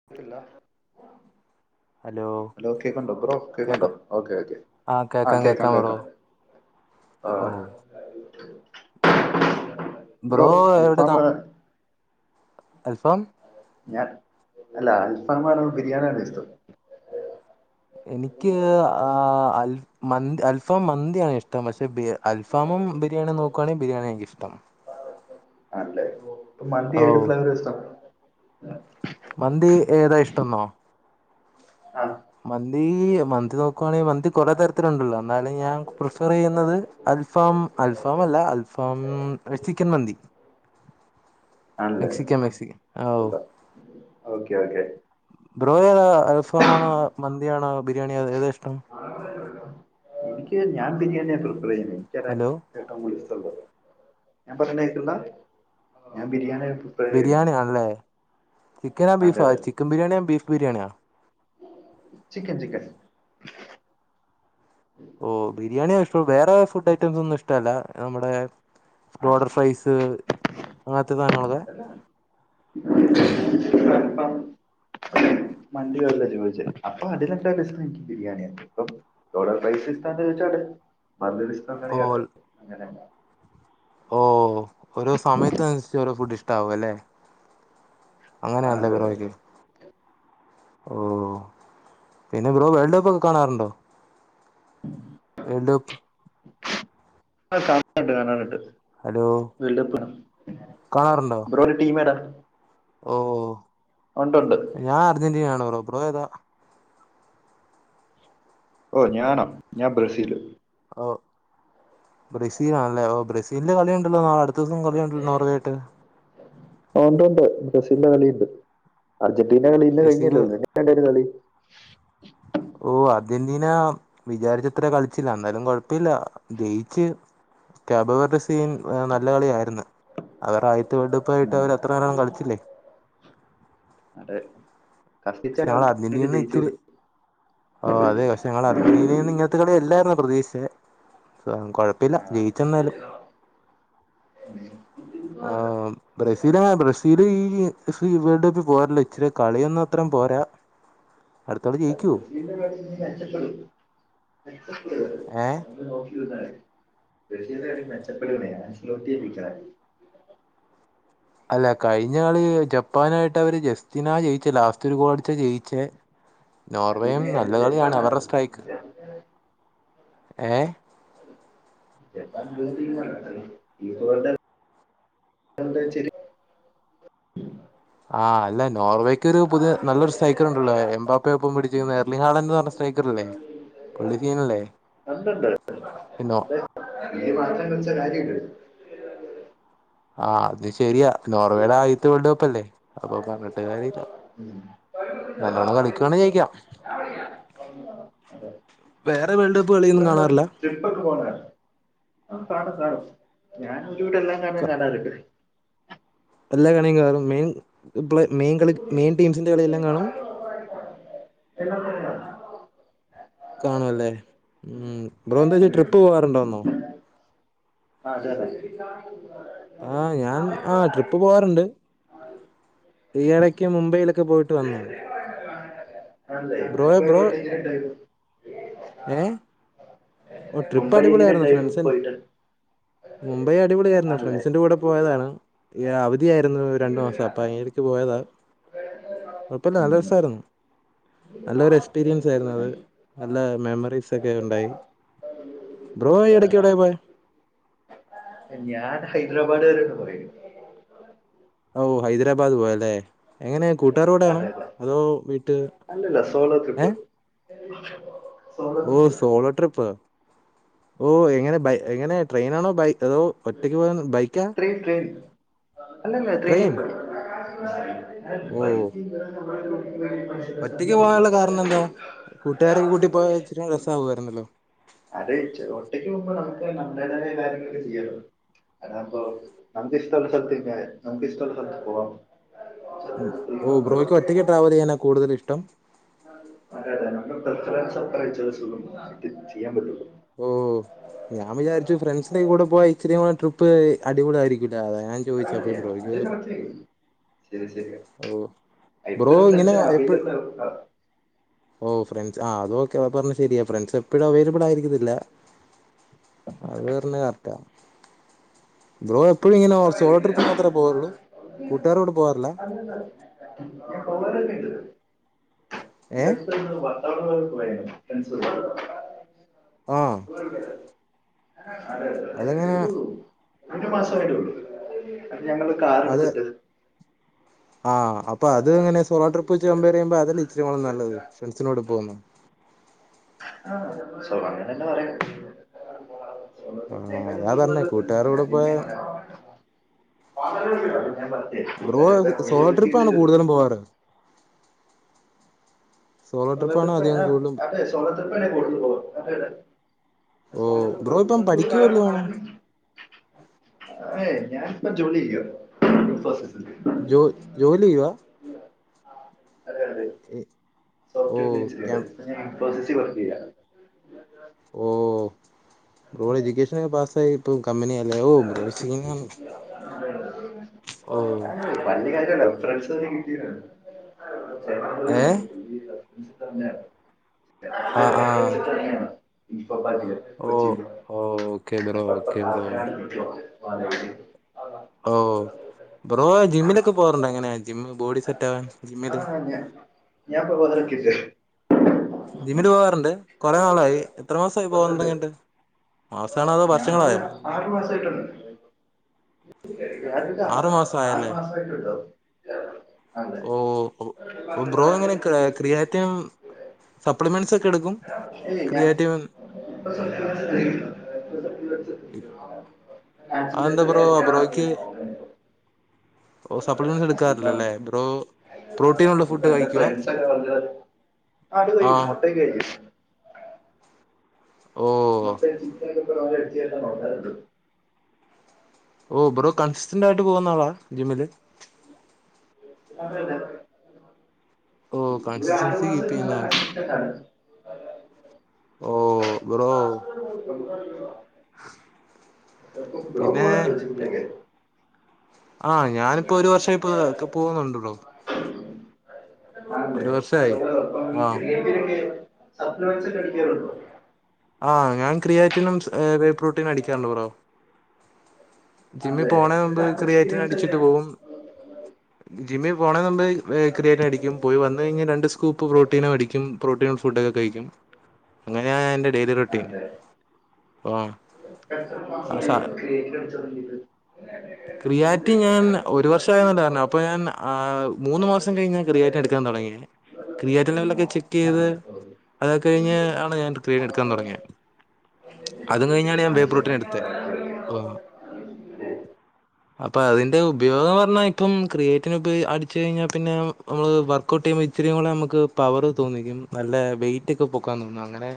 [unintelligible] Hello കേക്ക്ണ്ടോ bro, കേക്ക കേക്ക്ണ്ടോ ഓക്കെ ഓക്കെ ആഹ് കേക്കാം കേക്കാം. ഓ ആഹ് ബ്രോ എവിടെ അൽഫാമ താ അൽഫാം ഞാൻ അല്ല. അൽഫാമാണോ, ബിരിയാണിയാണോ ഇഷ്ടം. എനിക്ക് ആ അൽഫ് മന്തി അൽഫാം മന്തിയാണ് ഇഷ്ടം പക്ഷെ അൽഫാമും ബിരിയാണിയും നോക്കുയാണെങ്കിൽ ബിരിയാണിയാ എനിക്കിഷ്ടം. ആണല്ലെ, ഇ മന്തി ഓ ഏത് ഫ്ളവർ ആ ഇഷ്ടം. മന്തി ഏതാ ഇഷ്ടംന്നോ ആഹ് മന്തി... മന്തി നോക്കുവാണെങ്കിൽ മന്തി കൊറെ തരത്തിലുണ്ടല്ലോ. എന്നാലും ഞാൻ പ്രിഫർ ചെയ്യുന്നത്. അൽഫാം അൽഫാം അല്ല അൽഫാം ചിക്കൻ മന്തി. ആണല്ലേ മെക്സിക്കൻ മെക്സിക്ക ആ കൊള്ളാം ഓക്കെ ഓക്കെ ബ്രോ അൽഫാമാണോ, മന്തിയാണോ, ബിരിയാണിയോ, ഏതാ ഇഷ്ടം. എനിക്ക് ഞാൻ ബിരിയാണിയാണ് പ്രിഫർ ചെയ്യുന്നത്. എനിക്കതാ ഹലോ ഷ്ടം ഞാൻ പറഞ്ഞ കേക്കുണ്ടോ? ഞാൻ ബിരിയാണിയാ ചെയ്യുന്നത് ബിരിയാണിയാണല്ലേ, ചിക്കനാ അതെ ബീഫാ. അതെ ചിക്കൻ ബിരിയാണിയാ ബീഫ് ബിരിയാണിയാ ചിക്കൻ ചിക്കൻ ഓ ബിരിയാണിയ ഇഷ്ട്ടം വേറെ ഫുഡ് ഐറ്റംസ് ന്നും ഇഷ്ടല്ല നമ്മുടെ ബ്രോഡർ ഫ്രൈസ് അങ്ങന് ത്തെ സാനങ്ങളെക്കെ [inaudible] മന്തി ല്ല ചോയിച്ചേ അപ്പൊ അതിലെന്താ രസം ഇന്ക്ക് ബിരിയാണിയ ഇപ്പം ലോഡഡ് ഫൈസ് ഇഷ്ടാന്ന് ചോട്ടെ [unintelligible] [unintelligible] ഓ കേട്ടെ അങ്ങനെ ഓഹ്‌ ഓരോ സമയത്തനുസരിച്ച് ഓരോ ഫുഡ് ഇഷ്ടാവു അല്ലെ ആ അങ്ങനെയല്ല അതെ അതെ ബ്രോയ്ക്ക് ഓ പിന്നെ ബ്രോ വേൾഡ് കപ്പ് ഒക്കെ കാണാറുണ്ടോ? വേൾഡ് കപ്പ് ആ കാണാറ്ണ്ട് കണാറ്ണ്ട് ഹലോ വേൾഡ് കപ്പാ ബ്രോയ്യുടെ ടീം ഏതാ? ഓഹ്‌ ഒണ്ട്ണ്ട് ഞാൻ അർജന്റിനാണ് ബ്രോ. ബ്രോ ഏതാ? ഓ ഞാനൊ ഞാൻ ബ്രസീൽ ഒ ബ്രസീലാണല്ലേ ഓ ബ്രസീൽന്റെ കളിയുണ്ടല്ലോ നാളെടുത്ത ദിവസം കളിയണ്ടല്ലോർഞ്ഞെട്ട് ഉണ്ട് ഉണ്ട് ബ്രസീലിന്റെ കളി ഉണ്ട് അർജന്റീന കളി ഇന്ന് ബ്രസീല് കഴിഞ്ഞല്ലോ എങ്ങെയുണ്ട് കളി. ഓ അർജന്റീന വിചാരിച്ചത്ര കളിച്ചില്ല ന്നാലും കുഴപ്പല്ല ജയിച്ച് ക്യാബവരുടെ സീൻ നല്ല കളിയായിരുന്നു അവർ ആയിത്തെ വേൾഡ് കപ്പ് ആയിട്ട് ഉം. അവർ അത്ര നേരം കളിച്ചില്ലേ അതെ കഷ്ടിച്ചാണ് ഞങ്ങളെ അർജന്റീന ജയിച്ചു ഇത്തിരി കൊടുത്തത് ഓ അതേ പക്ഷേ ഞങ്ങൾ അർജന്റീനയിൽ നിന്ന് ഇങ്ങനത്തെ കളി അല്ലായിരുന്നു പ്രതീക്ഷിച്ച പക്ഷേ കെഴ പിന്നെ ആ. ജയിച്ചെന്നാലും ഉം. ആഹ്‌ ബ്രസീൽ ആ ബ്രസീല് ഈ വേൾഡ് കപ്പിൽ പോരല്ലോ ഇച്ചിരി കളിയൊന്നും അത്രം പോരാ അടുത്താള് ജയിക്കൊ? [unintelligible] ഏഹ്‌ [unintelligible] അല്ല കഴിഞ്ഞ കളി ജപ്പാനായിട്ട് അവര് ജസ്റ്റിന ജയിച്ചേ ലാസ്റ്റ് ഒരു ഗോൾ അടിച ജയിച്ചേ നോർവേയും അതിനെ അത് നല്ല കളിയാണ് ജപ്പാനാണ് അവരുടെ സ്ട്രൈക്ക് ഏഹ്‌ ജപ്പാൻ [unintelligible] ആഹ് അല്ല നോർവേക്ക് ഒരു പുതിയ നല്ലരുസ്ട്രൈക്കർ ഉണ്ടല്ലോ എമ്പാപ്പയ ഒപ്പം പിടിച്ച എർലി ഹാടൻ എന്നറഞ്ഞ സ്സ്ട്രയ്ക്കർ അല്ലേ ഫുള്ള്സീനല്ലേ കണ്ടുണ്ട് എന്നോ [unintelligible] ആഹ് അത് ശരിയാ നോർവേയുടെ ആയിത്തെ വേൾഡ് കപ്പ് അല്ലേ അപ്പൊ പറഞ്ഞിട്ട് കാര്യല്ല നല്ലോണം കളിക്കുകവാണേ ജയിക്കാം അതെ വേറെ വേൾഡ് കപ്പ് കളിയൊന്നും കാണ്ണാറില്ല ട്രിപ്പക്കെ പോന്നരാണ് ആ കാണും കാണും ഞാനൻ ഒരു വീടെല്ലാം ക- കാണാറുണ്ട് എല്ലാ കളിയും കാണും മെയിൻ മെയിൻ കളി മെയിൻ ടീംസിന്റെ കളിയെല്ലാം കാണും [unintelligible] കാണുവല്ലേ ഉം ബ്രോ ന്തേ ട്രിപ്പ് പോവാറുൻഡാർന്നോ.? ആഹ്‌ അതെതെ ആഹ്‌ ഞാൻ ആഹ്‌ ട്രിപ്പ് പോവാറുണ്ട്. ഈയിടയ്ക്ക് മുംബൈയിലൊക്കെ പോയിട്ട് വന്ന്. ആതെ ഇപ്പോരോൽറ്റേജിൽ ഉണ്ടായിരുന്നു. ഏഹ് ഓ ട്രിപ്പ് മുംബൈ എങ്ങനെ അടിപൊളിയായിരുന്നു ഉണ്ടായിരുന്നു ഫ്രണ്ട്സിൻ്റെ പോയിട്ട് മുംബൈ അടിപൊളിയായിരുന്നു ആണല്ലേ ഫ്രണ്ട്സിന്റെ കൂടെ പോയതാണ് ഈ അവധിയായിരുന്നു രണ്ടു മാസം അപ്പൊ അയ്യിനിടക്ക് പോയതാ കൊയ്യപ്പല്ല നല്ല ഉം രസായിരുന്നു നല്ലൊരു എക്സ്പീരിയൻസ് ആയിരുന്നു അത് നല്ല മെമ്മറീസ് ഒക്കെ ഉണ്ടായി [unintelligible] ബ്രോ എടയ്ക്ക് എവിടെയാ പോയ ഞാൻ ഹൈദരാബാദ് വരെ പോയി ഔ ഹൈദരാബാദ് പോയല്ലേ എങ്ങനെ കൂട്ടാരോട ആണോ അതെ അതെ അതോ വീട്ട് അല്ലല്ല സോളോ ട്രിപ്പ് ഏഹ് [inaudible] ഓ ട്രിപ്പ് സോളോ ട്രിപ്പ് ഓ എങ്ങനെ ബൈ എങ്ങനെ ട്രെയിനാണോ ബൈ അതോ ഒറ്റയ്ക്ക് പോകൻ ബൈക്കാ ട്രെയിൻ ട്രെയിൻ അല്ലല്ല ട്രെയിൻ ഓ [unintelligible] ഒറ്റയ്ക്ക് പോകാനുള്ള കാരണം എന്താ കൂട്ടുകാരൊക്കെ കൂട്ടി പോയാ ഇച്ചരി രസമാകുമായിരുന്നല്ലോ അതെ ഒറ്റയ്ക്ക് പോക്കുമ്പോ നമുക്ക് നമ്മുടെതായ കാര്യങ്ങളൊക്കെ ചെയ്യല്ലോ അതാ അപ്പ നമ്മുക്ക് ഇഷ്ട്ട ഒള്ള സ്ഥലത്ത് നിൽക്കാം നമുക്ക് ഇഷ്ട്ട ഒള്ള സ്ഥലത്ത് പോവാം ഓ ബ്രോയ്ക്ക് ഒറ്റയ്ക്ക് ട്രാവൽ ചെയ്യാനാ കൂടുതൽ ഇഷ്ടം അതെ അതെ നമ്മള് [unintelligible] ചെയ്യാൻ പറ്റുള്ളൂ. ഓ ഞാൻ വിജാരിച്ചു ഫ്രണ്ട്സിന്റെ കൂടെ പോയാ ഇച്ചരി ട്രിപ്പ് അടിപൊളിയായിരിക്കുല്ലേ അത ഞ ചോയ്ച്ചദ് അത് ബ്രോയ്യ്ക് കറക്റ്റ് ശരി ശരി ബ്രോ എപ്പഴും ഇങ്ങനെ ഫ്രണ്ട്സിന് എപ്പഴ് അവൈലബിൾ ആും [inaudible] ഓ ഫ്രണ്ട്സ് ആ അതോഓക്കെ പറഞ്ഞ ശരിയാ ഫ്രണ്ട്സ് എപ്പോഴും അവൈലബിൾ ആയിരിക്കുന്നില്ല അത് പറഞ്ഞ കറക്റ്റാ ബ്രോ എപ്പോഴും ഇങ്ങനെ ഒ സോളോ ട്രിപ്പ് മാത്രമേ പോയോള്ളൂ കൂട്ടാരോട് കൂടെ പോവാറില്ല അല്ല അല്ല ഏ [unintelligible] [unintelligible] ആഹ് [unintelligible] അതെങ്ങനെ ഒരു ഒരു മാസമായിട്ട ഒള്ളു ഞങ്ങള് കാറ്‌ എടുത്തിട്ട് ആഹ് അപ്പ അത് അങ്ങനെ സോളോട്രിപ്പ് വെച്ച് കമ്പയെറ് ചെയ്യുമ്പോ അത് അല്ലെ ഇച്ചിരി കൂടെ നല്ലത് ഫ്രണ്ട്സിന്റെ കൂടെ പോകുമ്പോ [unintelligible] അങ്ങനെ തന്നെ പറയും ആ അതാ പറഞ്ഞെ കൂട്ടുകാരുടെ കൂടെ പോയാ [unintelligible] [unintelligible] ബ്രോ സോളോ ട്രിപ്പാണോ കൂടുതലും പോവാറ് സോളോ ട്രിപ്പാണ് ട്രിപ്പ്‌ അധികം ആഹ് കൂടുതലും അതെ സോളോ ട്രിപ്പ്‌ തന്നെയാ കൂടുതൽ പോകും [unintelligible] [unintelligible] ഓ ബ്രോ ഇപ്പം പഠിക്കുവ വല്ലോണോ ഏഹ് ഞാനിപ്പ ജോലി ചെയ്യുവാ [unintelligible] ജോ ജോലി ചെയ്യുവാ ഏ സോഫ്റ്റവെയർ എൻജിനിയറ് ഇൻഫോസിസി വർക്ക് ചെയ്യാ ഓഹ് ബ്രോ എജൂക്കേഷൻ പാസായി ഇപ്പോം കമ്പനിയാല്ലേ ഓ [unintelligible] ഓഹ് വല്ല്യ കാര്യല്ല ഫ്രണ്ട്സ് ഒക്കെ വീട്ടി വരും [unintelligible] ഏഹ് [unintelligible] ആ ആ ഇൻഫോ പാർക്കില് ഓ കൊച്ചിയിൽ ഓ ഓക്കെ ബ്രോ അപ്പപ്പ ഓക്കെ ബ്രോ കാശ് [unintelligible] ഓഹ് ബ്രോ ജിമ്മിലൊക്കെ പോവാറുണ്ടോ എങ്ങനെയാ ജിമ്മില് ബോഡി സെറ്റ് ആവാൻ ജിമ്മില് ഞാ ഞാൻ [unintelligible] ഇട്ട് ജിമ്മിന് പോവാറുണ്ട് കൊറെ നാളായി എത്ര മാസായി പോകാൻ തൊടങ്ങിയിട്ട് മാസാണോ അതോ ഞാ വർഷങ്ങളായോ [unintelligible] ആറു മാസായിട്ടൊണ്ട് [unintelligible] ആറു മാസം ആറ് ആയല്ലേ മാസമായിട്ടുണ്ടാവും ഓഹ് ഒഹ് ബ്രോ എങ്ങനെ ക്രാ ക്രീയാറ്റിനും സപ്ലിമെൻ്റ്സ് ഒക്കെ എടുക്കും ഏയ് ഞാൻ ക്രിയാറ്റീവും [unintelligible] അതെന്താ ബ്രോ [unintelligible] ഓഹ് സപ്ലിമെന്റ്സ് എടുക്കാറില്ലല്ലേ ബ്രോ? പ്രോട്ടീനുള്ള ഇപ്പ ഫുഡ് എന്റെ കഴിക്കുക ഫ്രണ്ട്സൊക്കെ പറഞ്ഞത് ആടു ആ കഴിക്കും മുട്ടയൊക്കെ കഴിക്കും. ഓ മട്ടൻ ചിക്കനൊക്കെ [unintelligible] നോക്കാറ്ണ്ട് ഓഹ് ബ്രോ കൺസിസ്റ്റൻ്റ് ആയിട്ട് പോകുന്ന ആളാ ജിമ്മില്. അതെ അതെ. ഓ ഒരു ആറു കൺസിസ്റ്റൻസി കീപ്പ് മാസം ചെയ്യുന്ന ആൾ നല്ല [unintelligible] ഓഹ് ബ്രോ. [unintelligible] [unintelligible] ബ്രോ പിന്നെ പോണുണ്ടോ ജിമ്മിലൊക്കെ? ആഹ് ഞാനിപ്പോ ഒരു വർഷായിപ്പ പോന്നുണ്ട് ബ്രോ. ആണല്ലേ ഒരു വർഷായി. [inaudible] ആഹ് ഞാൻ ക്രിയാറ്റിനും സ് [unintelligible] പ്രോട്ടീനും അടിക്കാറുണ്ട് ബ്രോ. ജിമ്മി ആണല്ലേ പോണേന് മുമ്പ് എന്താ ക്രിയാറ്റിൻ എക്സ്പീരിയൻസ് അടിച്ചിട്ട് എങ്ങനെയാണ് പോവും ജിമ്മി പോണേന് മുമ്പേ ഏഹ് ക്രിയാറ്റിൻ അടിക്കും പോയി വന്ന് കഴിഞ്ഞാ രണ്ട് സ് കൂപ്പ് പ്രോട്ടീനും അടിക്കും പ്രോട്ടീൻ ഫുഡൊക്കെ കഴിക്കും അങ്ങനെയാണ് എൻ്റെ ഡെയിലി റൊട്ടീൻ. ആണല്ലേ ആഹ് എത്ര ആ മാസായി സ ക്രിയേറ്റിൻ അടിച്ച് തൊടങ്ങിയിട്ട് ക്രിയാറ്റിൻ ഞാൻ ഒരു വർഷ ആയെന്നല്ലേ ഓ. പറഞ്ഞേ അപ്പം ഞാൻ ആഹ് മൂന്ന് മാസം കഴിഞ്ഞാ ക്രിയാറ്റി എടുക്കാൻ തൊടങ്ങിയെ ക്രിയാറ്റിൻ ലെവലൊക്കെ ചെക്ക് ചെയ്ത് ആണല്ലേ അതൊക്കെ കഴിഞ്ഞ് ആണ് ഞാൻ ക്രീൻ എടുക്കാൻ തൊടങ്ങിയെ അതും കഴിഞ്ഞാണ് ഞാൻ ബേ പ്രോട്ടിനെടുത്തെ [unintelligible] അപ്പൊ അതിന്റെ ഉപയോഗം പർഞ്ഞാ ഇപ്പം ക്രിയേറ്റിന് ഇപ് അടിച്ചു കഴിഞ്ഞാ പിന്നെ നമ്മള് വർക്ക് കൂട്ടിമ്പം ഇച്ചിരിയും കൂടെ നമ്മക്ക് പവറ് തോന്നിക്കും നല്ല വെയിറ്റ് ഒക്കെ പൊക്കാൻ തോന്നും അങ്ങനെ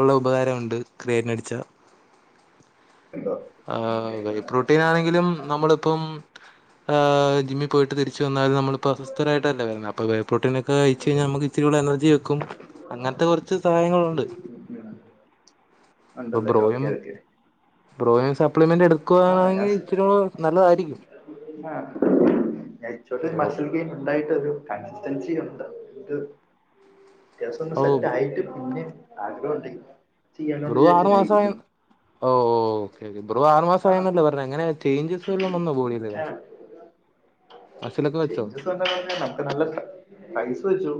ഉള്ള ഉപകാരമുണ്ട് ക്രയേറ്റിനടിച്ചാ ഉണ്ടോ ആഹ് വേപ്രോട്ടീൻ ആണെങ്കിലും നമ്മളിപ്പം, ആഹ് ജിമ്മിൽ പോയിട്ട് തിരിച്ചു വന്നാലും നമ്മൾപ്പോൾ അസ്വസ്ഥരാട്ടല്ലേ വരുന്നത് അപ്പോൾ ബെപ്രോട്ടീന കഴ്ച്ച് കഴിഞ്ഞാൽ നമുക്ക് ഇച്ചിരൂട എനർജി വെക്കും അങ്ങനത്തെ കൊർച്ച് സഹായങ്ങളുണ്ട്. [inaudible] ഇപ്പൊ ഉണ്ടല്ലേ ബ്രോയിം ഓക്കെ ഓക്കെ ബ്രോയും സപ്ലിമെന്റ് എടുക്കുകാണെങ്കിൽ ഇച്ചിരൂ ആയിരിക്കും. [unintelligible] ബ്രോ മസൽ കേ [inaudible] ഉണ്ടായിട്ടരു കൺസിസ്റ്റൻസി ഉണ്ട് ത് ലേസം ഒന്ന് ഓ സെറ്റ് ആയിട്ട് പിന്നെ ആഗ്രഹംണ്ട് ചെയ്യാലോന്ന് വിചാരിച്ചിരിക്ക ഓഹ് ഓഹ്. ബ്രോ ആറ് മാസം ആ ആയന്നല്ലേ പർഞ്ഞ എങ്ങനെ ചേഞ്ചസ് വല്ലതും വന്നോ ബോഡീൽ? മസിലൊക്കെ വെച്ചോ? ചേഞ്ചസ് നമുക്ക് നല്ല പൈസ വെച്ചു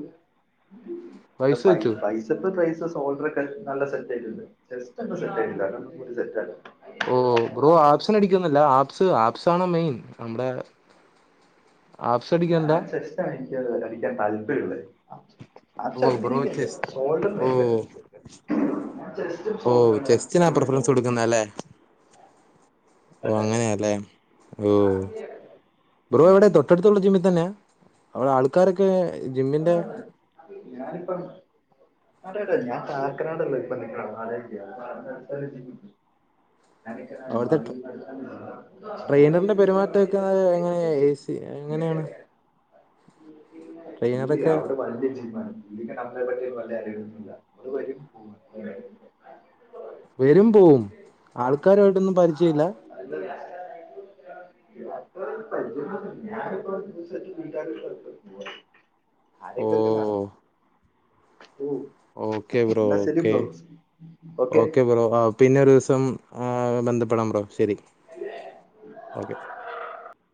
വയസ്സ് പയ്‌ വെച്ചോ പയ്‌ പ്പ് പ്രൈസ് സോൾഡർക്കെ നല്ല സെറ്റ് ആയിട്ടുണ്ട് ചെസ്റ്റ് ഒക്കെ സെറ്റയില്ല അത്കൂടി സെറ്റാക്കാണ്ട്.. ഓഹ് ബ്രോ ആപ്സിന അടിക്കൊന്നല്ല ആപ്സ് ആപ്സ് ആണ് മെയിൻ നമ്മടെ. ആഫ്സ് അടിക്കണ്ല്ല? അ അടിക്കാൻ താല്പര്യള്ളെ ആഫ്സ് ഓ ബ്രോ അടിക്കണോന്നൊക്കെണ്ട് ചെസ് ഓ ഷോൾഡർന്ടെ ജെസ് ഓഹ് ചെസ്റ്റിനാ പ്രിഫറൻസ് കൊടുക്കുന്ന അല്ലേ? ഓഹ് അതെ അങ്ങനെയാല്ലേ ഓഹ് ബ്രോ എവിടെ തൊട്ടടുത്തുള്ള ജിമ്മീത്തന്നെയാ അവിടെ ആൾക്കാരൊക്കെ ജിമ്മിന്റെ അ ഞാനിപ്പം അതെ അതെ ഞാൻ കാക്കനാടാള്ളെ ഇപ്പൊ നിങ്ങാ അവിടുത്തെ ട്രെയിനറിന്റെ പെരുമാറ്റമൊക്കെ എങ്ങനെ [unintelligible] എ സി എങ്ങനെയാണ് ഇല്ലേ ട്രെയിനറൊക്കെ അവടെ പണ്ടേ ജിമ്മാണ് ഈടെ നമ്മളെ പറ്റിയും വല്ല അറിയൊന്നുല്ല നമ്മള് വരും പോവും വരും പോവും ആൾക്കാരായിട്ടൊന്നും പരിചയല്ലാ [inaudible] ത്ര പരിജയൊന്നും ഇല്ല ഞാനിപ്പോ വിസക്ക് വീട്ടാരായിട്ടൊക്കെ പോവാ ഓ ആരെക്കോക്കെ കാണും ഓഹ് okay bro okay okay bro അഹ് പിന്നെ ഒരുസം ആ ബന്ധപ്പെടാം ബ്രോ മ്മ് ശരി ഓക്കെ